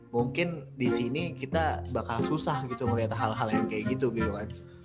mungkin disini kita bakal susah gitu ngeliat hal hal yang kayak gitu gitu kan